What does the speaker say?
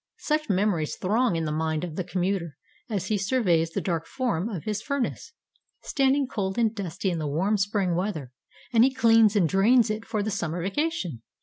Such memories throng in the mind of the commuter as he surveys the dark form of his furnace, standing cold and dusty in the warm spring weather, and he cleans and drains it for the summer vacation.